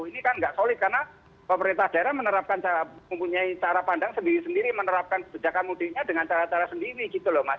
ini kan nggak solid karena pemerintah daerah menerapkan cara mempunyai cara pandang sendiri sendiri menerapkan kebijakan mudiknya dengan cara cara sendiri gitu loh mas